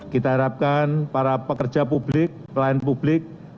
kita harapkan para pekerja publik pelayan publik